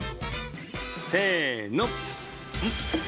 せの！